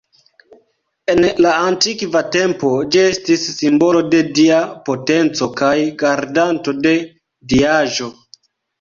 En la antikva tempo ĝi estis simbolo de dia potenco kaj gardanto de diaĵo.